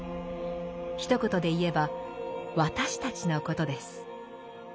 ひと言で言えば「私たち」のことです。